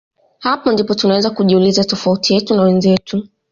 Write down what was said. Hapo ndipo tunaweza kujiuliza tofauti yetu na wenzetu